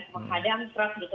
menghadang truk gitu